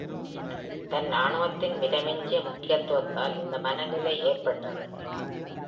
தன்னாணவத்தின் மிதமிஞ்சிய முக்கியத்துவத்தால் இந்த மன நிலை ஏற்படுகிறது.